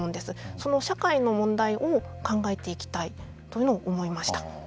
その社会の問題を考えていきたいというのを思いました。